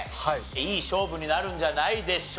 いい勝負になるんじゃないでしょうか？